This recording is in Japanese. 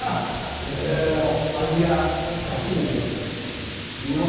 その味がだしにも出てますのでうわ